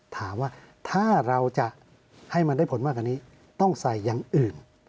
ถามว่าถ้าเราจะให้มันได้ผลมากกว่านี้ต้องใส่อย่างอื่น